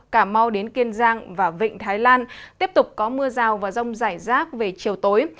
cà mau đến kiên giang và vịnh thái lan tiếp tục có mưa rào và rông rải rác về chiều tối